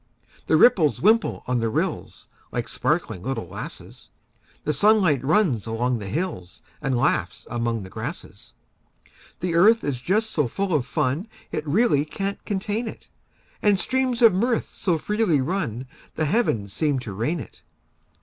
The ripples wimple on the rills, Like sparkling little lasses; The sunlight runs along the hills, And laughs among the grasses. The earth is just so full of fun It really can't contain it; And streams of mirth so freely run The heavens seem to rain it.